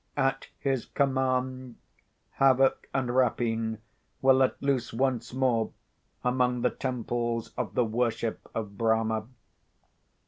At his command havoc and rapine were let loose once more among the temples of the worship of Brahmah.